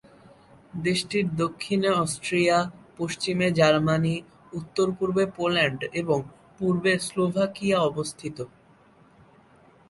দেশটির দক্ষিণে অস্ট্রিয়া, পশ্চিমে জার্মানি, উত্তর-পূর্বে পোল্যান্ড এবং পূর্বে স্লোভাকিয়া অবস্থিত।